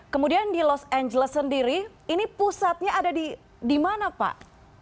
kemudian di los angeles sendiri ini pusatnya ada di mana pak